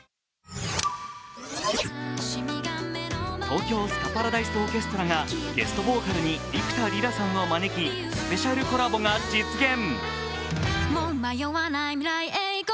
東京スカパラダイスオーケストラがゲストボーカルに幾田りらさんを招きスペシャルコラボが実現。